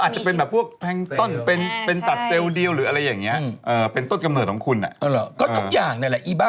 อาจจะเป็นแบบพวกแพงตอนเป็นสัตว์เซลล์เดียวหรืออะไรอย่างนี้